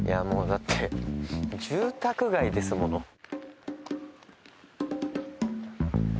だって住宅街ですもの。